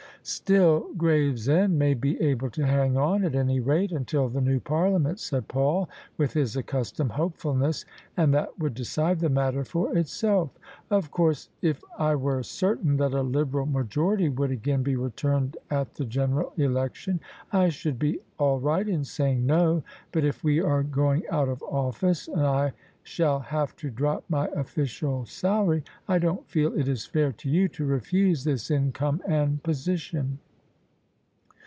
" Still Gravesend may be able to hang on — at any rate until the new Parliament," said Paul with his accustomed hopefulness :" and that would decide the matter for itself. Of course if I were certain that a Liberal majority would again be returned at the General Election, I should be all right in saying No : but if we are going out of office, and I shall have to drop my official salary, I don't feel it is fair to you to refuse this income and position."